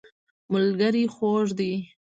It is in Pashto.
ملګری خوږ دی.